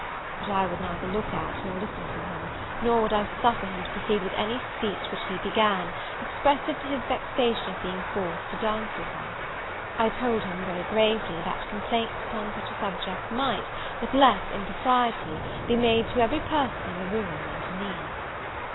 But I would neither look at, nor listen to him, nor would I suffer him to proceed with any speech which he began, expressive to his vexation at being forced to dance with her. I told him, very gravely, that complaints upon such a subject might, with less impropriety, be made to every person in the room than to me.